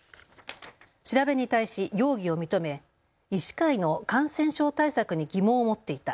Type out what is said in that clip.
調べに対し容疑を認め医師会の感染症対策に疑問を持っていた。